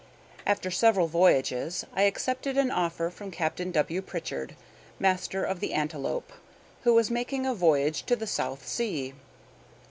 After several voyages, I accepted an offer from Captain W. Pritchard, master of the "Antelope," who was making a voyage to the South Sea.